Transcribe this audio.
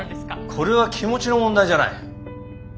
これは気持ちの問題じゃない。